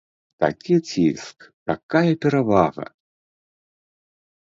Такі ціск, такая перавага.